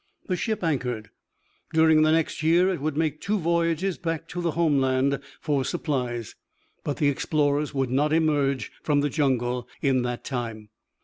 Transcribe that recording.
The ship anchored. During the next year it would make two voyages back to the homeland for supplies. But the explorers would not emerge from the jungle in that time.